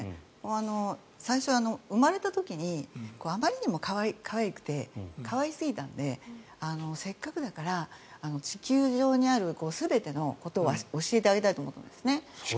最初は生まれた時にあまりにも可愛くて可愛すぎたので、せっかくだから地球上にある全てのことは教えてあげたいと思ったんですね。